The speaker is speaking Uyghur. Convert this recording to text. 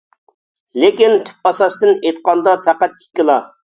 لېكىن تۈپ ئاساستىن ئېيتقاندا پەقەت ئىككىلا.